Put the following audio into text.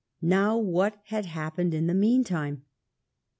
Now, what had happened in the meantime